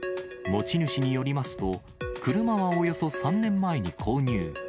持ち主によりますと、車はおよそ３年前に購入。